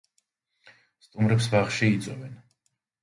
სტუმრებს ბაღში იწვევენ.